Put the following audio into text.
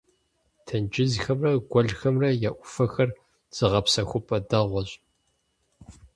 Тенджызхэмрэ гуэлхэмрэ я Ӏуфэхэр зыгъэпсэхупӀэ дэгъуэщ.